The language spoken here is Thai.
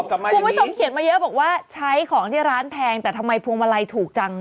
คุณผู้ชมเขียนมาเยอะบอกว่าใช้ของที่ร้านแพงแต่ทำไมพวงมาลัยถูกจัง